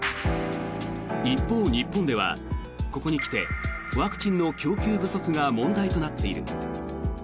一方、日本ではここに来てワクチンの供給不足が問題となっている。